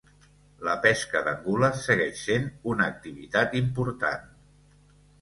La pesca d'angules segueix sent una activitat important.